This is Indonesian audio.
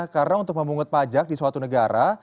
karena untuk memungut pajak di suatu negara